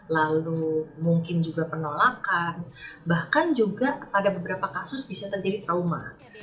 lalu mungkin juga penolakan bahkan juga pada beberapa kasus bisa terjadi trauma